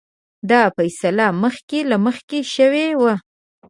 دا فیصله مخکې له مخکې شوې وه.